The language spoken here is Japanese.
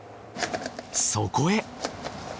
そこへ。